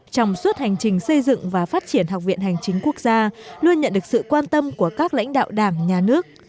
trong suốt hành trình xây dựng và phát triển học viện hành chính quốc gia luôn nhận được sự quan tâm của các lãnh đạo đảng nhà nước